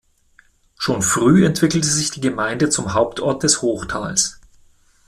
Schon früh entwickelte sich die Gemeinde zum Hauptort des Hochtals.